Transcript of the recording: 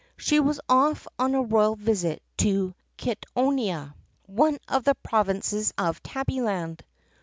She was off on a royal visit to Kittonia, one of the provinces of Tabby land."